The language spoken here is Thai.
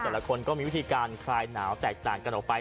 แต่ละคนก็มีวิธีการคลายหนาวแตกต่างกันออกไป